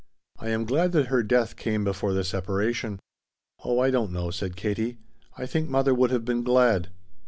"I am glad that her death came before the separation." "Oh, I don't know," said Katie; "I think mother would have been glad."